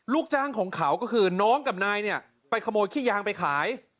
ลูกจ้างของเขาก็คือน้องกับนายเนี่ยไปขโมยขี้ยางไปขาย